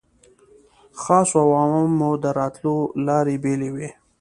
خاصو او عامو د راتلو لارې بېلې وې.